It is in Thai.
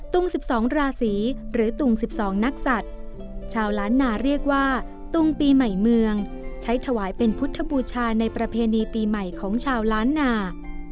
ตุง๑๒ราศีหรือตุง๑๒นักศัตริย์ชาวล้านนาเรียกว่าตุงปีใหม่เมืองใช้ถวายเป็นพุทธบูชาในประเพณีปีใหม่ของชาวล้านนา